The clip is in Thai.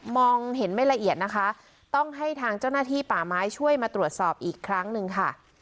มองเห็นไม่ละเอียดนะคะต้องให้ทางเจ้าหน้าที่ป่าไม้ช่วยมาตรวจสอบอีกครั้งหนึ่งค่ะ